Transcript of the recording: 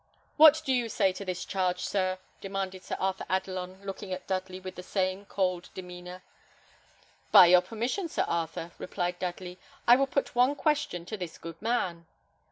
"What do you say to this charge, sir," demanded Sir Arthur Adelon, looking at Dudley with the same cold demeanour. "By your permission, Sir Arthur," replied Dudley, "I will put one question to this good man."